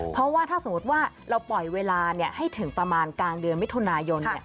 เพราะว่าถ้าสมมุติว่าเราปล่อยเวลาให้ถึงประมาณกลางเดือนมิถุนายน